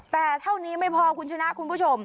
แต่เท่านี้ไม่พอคุณชนะคุณผู้ชม